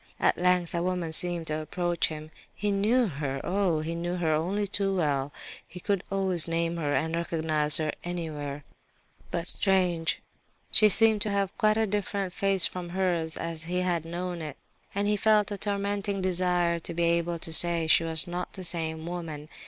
At length a woman seemed to approach him. He knew her, oh! he knew her only too well. He could always name her and recognize her anywhere; but, strange, she seemed to have quite a different face from hers, as he had known it, and he felt a tormenting desire to be able to say she was not the same woman.